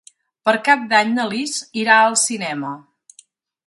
Per Cap d'Any na Lis irà al cinema.